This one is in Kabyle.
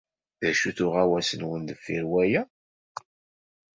D acu-t uɣawas-nwen deffir waya?